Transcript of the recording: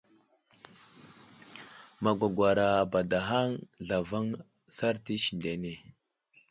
Magwagwar abadahaŋ zlavaŋ sarta isindene.